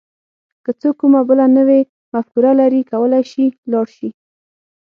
که څوک کومه بله نوې مفکوره لري کولای شي لاړ شي.